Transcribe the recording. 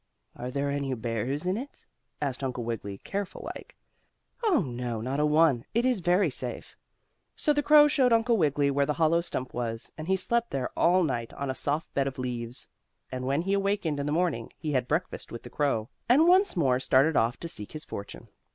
"Are there any bears in it?" asked Uncle Wiggily, careful like. "Oh, no; not a one. It is very safe." So the crow showed Uncle Wiggily where the hollow stump was, and he slept there all night, on a soft bed of leaves. And when he awakened in the morning he had breakfast with the crow and once more started off to seek his fortune.